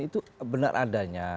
itu benar adanya